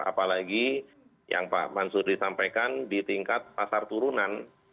apalagi yang pak mansudi sampaikan di tingkat pasar turunan